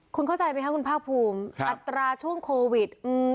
คุณเข้าใจไหมคะคุณภาคภูมิอัตราช่วงโควิด